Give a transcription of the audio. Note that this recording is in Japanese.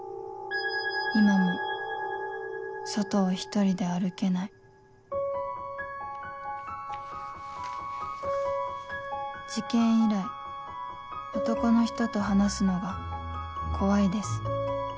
「今も外を一人で歩けない」「事件以来男の人と話すのが怖いです」